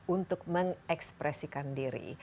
untuk mengekspresikan diri